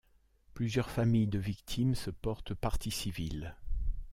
Plusieurs familles de victimes se portent partie civile.